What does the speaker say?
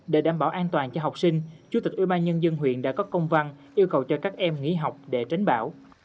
để đảm bảo an toàn cho học sinh chủ tịch ubnd huyện đã có công văn yêu cầu cho các em nghỉ học để tránh bão